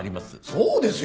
そうですよ。